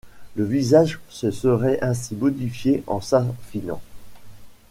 Le visage se serait ainsi modifié en s'affinant.